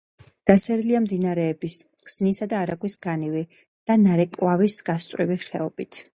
დასერილია მდინარეების ქსნისა და არაგვის განივი და ნარეკვავის გასწვრივი ხეობებით.